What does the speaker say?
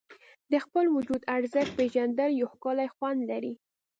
د خپل وجود ارزښت پېژندل یو ښکلی خوند لري.